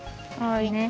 はい。